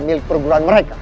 milik perguruan mereka